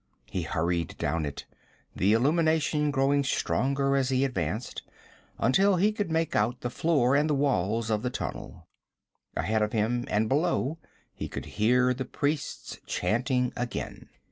He hurried down it, the illumination growing stronger as he advanced, until he could make out the floor and the walls of the tunnel. Ahead of him and below he could hear the priests chanting again.